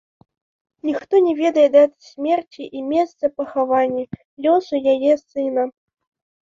Ніхто не ведае даты смерці і месца пахавання, лёсу яе сына.